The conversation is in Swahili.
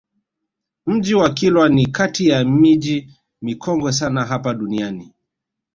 Mji wa Kilwa ni kati ya miji mikongwe sana hapa duniani